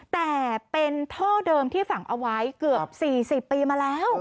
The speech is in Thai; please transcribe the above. แต่เป็นท่อเดิมที่ฝังเอาไว้เกือบ๔๐ปีมาแล้ว